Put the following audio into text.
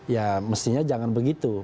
ya mestinya jangan begitu